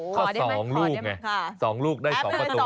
ก็สองลูกไงสองลูกได้สองกระตู